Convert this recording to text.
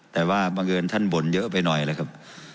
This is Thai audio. แต่ว่าบังเอิญท่านบ่นเยอะไปหน่อยแล้วครับ